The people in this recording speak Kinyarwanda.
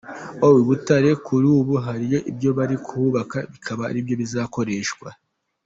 O Butare, kuri ubu hari ibyo bari kuhubaka bikaba ari byo bizakoreshwa.